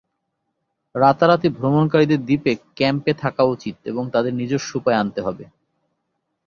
রাতারাতি ভ্রমণকারীদের দ্বীপে ক্যাম্পে থাকা উচিত এবং তাদের নিজস্ব উপায়ে আনতে হবে।